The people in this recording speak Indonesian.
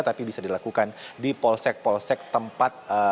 tapi bisa dilakukan di polsek polsek tempat